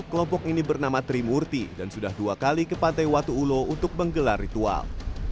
kelompok ini bernama trimurti dan sudah dua kali ke pantai watu ulo untuk menggelar ritual